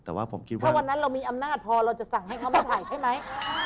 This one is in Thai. แต่ว่าผมคิดว่าวันนั้นเรามีอำนาจพอเราจะสั่งให้เขามาถ่ายใช่ไหม